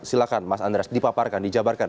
silahkan mas andreas dipaparkan dijabarkan